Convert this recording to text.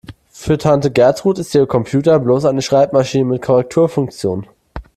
Für Tante Gertrud ist ihr Computer bloß eine Schreibmaschine mit Korrekturfunktion.